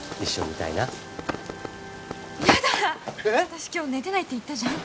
私今日寝てないって言ったじゃん。